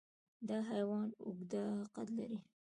دا حیوان اوږده قد لري.